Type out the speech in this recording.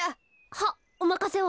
はっおまかせを。